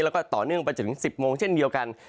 แล้วก็ต่อเนื่องไปจนถึง๑๐โมงเช่นเดียวกัน